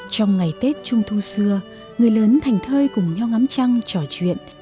trong ngày tết trung thu xưa người lớn thành thơi cùng nhau ngắm trăng trò chuyện